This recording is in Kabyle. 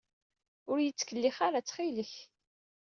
Ur iyi-ttkellix ara, ttxil-k.